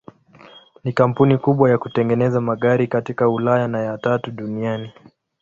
Ni kampuni kubwa ya kutengeneza magari katika Ulaya na ya tatu duniani.